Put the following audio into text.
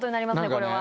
これは。